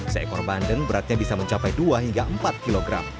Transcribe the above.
seekor bandeng beratnya bisa mencapai dua hingga empat kg